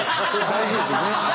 大事ですよ。